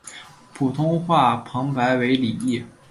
普通话旁白为李易。